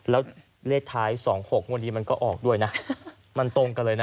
แล้วเลขท้าย๒๖งวดนี้มันก็ออกด้วยนะมันตรงกันเลยนะ